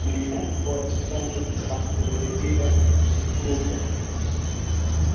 Mulamuke mweye bote twende tu ka paluriye mituta